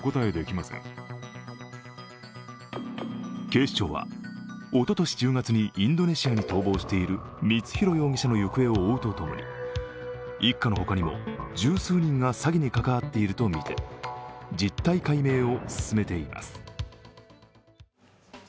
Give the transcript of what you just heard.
警視庁は、おととし１０月にインドネシアに逃亡している光弘容疑者の行方を追うとともに一家の他にも十数人が詐欺に関わっているとみて実態解明を進めています。